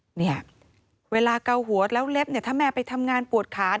เนี่ยเวลาเกาหัวแล้วเล็บเนี่ยถ้าแม่ไปทำงานปวดขา